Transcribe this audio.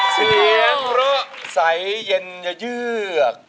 เสียรถใสเย็นเยือก